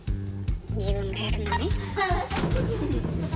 自分がやるのね。